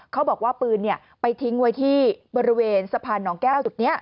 เขาบอกว่าปืนไปทิ้งไว้ที่บริเวณสะพานหนองแก้วตรงนี้